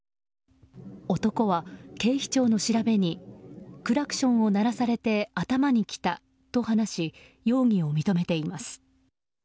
男は警視庁の調べにクラクションを鳴らされて頭にきたと話し容疑を認めています。